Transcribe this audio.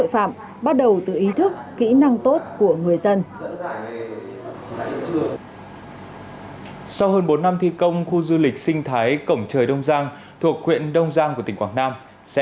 phòng chống tội phạm